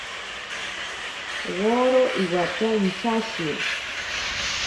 Woro iwatya inchashi.